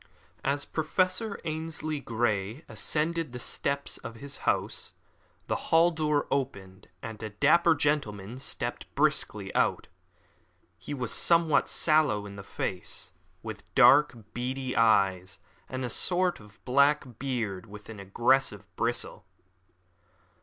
As Professor Ainslie Grey ascended the steps of his house, the hall door opened and a dapper gentleman stepped briskly out. He was somewhat sallow in the face, with dark, beady eyes, and a short, black beard with an aggressive bristle.